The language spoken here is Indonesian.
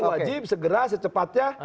wajib segera secepatnya